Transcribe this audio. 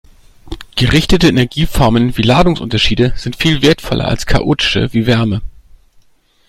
Gerichtete Energieformen wie Ladungsunterschiede sind viel wertvoller als chaotische wie Wärme.